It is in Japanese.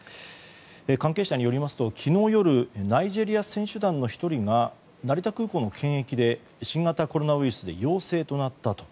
関係者によりますと、昨日夜ナイジェリア選手団の１人が成田空港の検疫で新型コロナウイルスが陽性となったと。